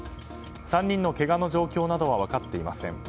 ３人のけがの状況などは分かっていません。